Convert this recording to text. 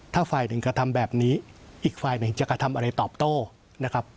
ถ้าฝ่ายหนึ่งกระทำแบบนี้อีกฝ่ายหนึ่งจะกระทำอะไรตอบโต้นะครับ